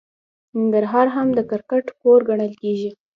ننګرهار هم د کرکټ کور ګڼل کیږي.